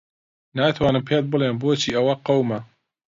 ناتوانم پێت بڵێم بۆچی ئەوە قەوما.